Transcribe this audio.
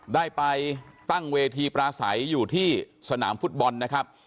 ได้ไปตั้งเวทีปราศัยอยู่ที่สนามฟุตบอลนะครับ